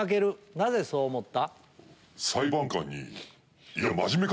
なぜそう思った？